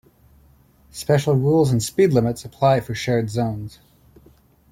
Special rules and speed limits apply for shared zones.